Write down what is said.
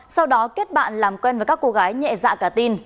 sau đó kết bạn làm quen với các cô gái nhẹ dạ cả tin